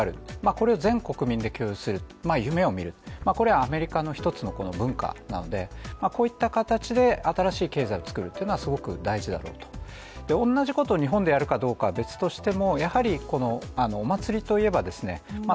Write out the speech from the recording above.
これを全国民で共有する夢を見るこれはアメリカの一つのこの文化なのでこういった形で新しい経済を作るっていうのはすごく大事だろうと同じことを日本でやるかどうかは別としてもやはりこの、あのお祭りといえばですね